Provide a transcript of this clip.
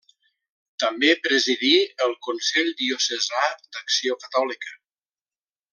També presidí el Consell Diocesà d'Acció Catòlica.